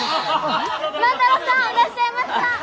万太郎さんいらっしゃいました！